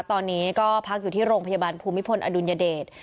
ตอนนี้ก็พักอยู่ที่โรงพยาบาลภูมิพลอดุลยเดช